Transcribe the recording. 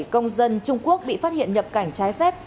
công dân trung quốc bị phát hiện nhập cảnh trái phép